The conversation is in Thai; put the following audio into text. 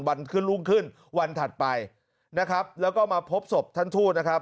วันขึ้นรุ่งขึ้นวันถัดไปนะครับแล้วก็มาพบศพท่านทูตนะครับ